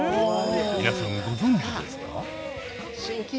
皆さんご存じですか？